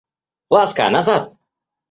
Ласка, назад!